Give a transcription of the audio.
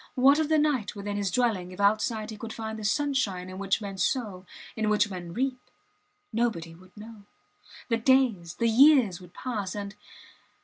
What of the night within his dwelling if outside he could find the sunshine in which men sow, in which men reap! Nobody would know. The days, the years would pass, and